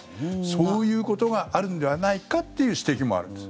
そういうことがあるのではないかっていう指摘もあるんです。